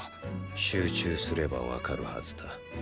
集中すればわかるはずだ。